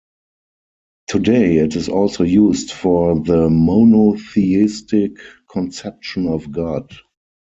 Today, it is also used for the monotheistic conception of God.